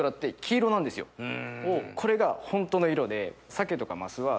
これがホントの色で。